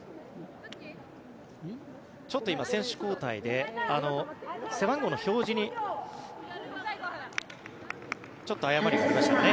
ちょっと今、選手交代で背番号の表示にちょっと誤りがありましたね。